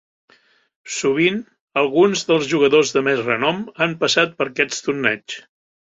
Sovint, alguns dels jugadors de més renom han passat per aquest torneig.